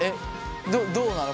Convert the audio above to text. どどうなの？